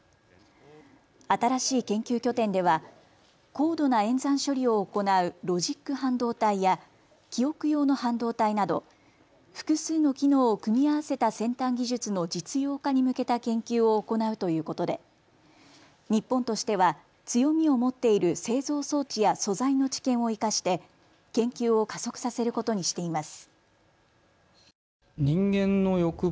新しい研究拠点では高度な演算処理を行うロジック半導体や記憶用の半導体など複数の機能を組み合わせた先端技術の実用化に向けた研究を行うということで日本としては強みを持っている製造装置や素材の知見を生かして研究を加速させることにしています。